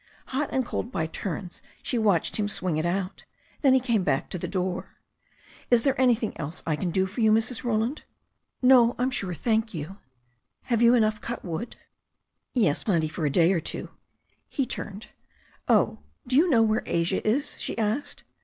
Hot and cold by turns she watched him swing it out Then he came back to the door. "Is there anything else I can do for you, Mrs. Roland?" "No, I'm sure, thank you." "You have enough cut wood?" "Yes, plenty for a day or two." He turned. "Oh, do you know where Asia is?" she asked.